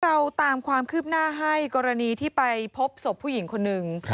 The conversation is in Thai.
เราตามความคืบหน้าให้กรณีที่ไปพบศพผู้หญิงคนหนึ่ง